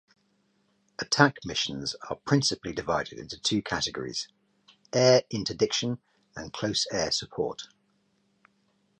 Attack missions are principally divided into two categories: air interdiction and close air support.